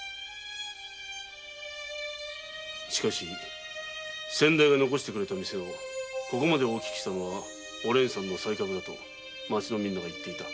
しかし先代が遺した店をここまで大きくしたのはおれんさんの才覚だと町のみんなが言っていた。